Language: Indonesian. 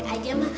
baik baik aja ma